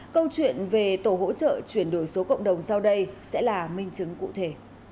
câu chuyện về tổ hỗ trợ chuyển đổi số cộng đồng sau đây sẽ là minh chứng cụ thể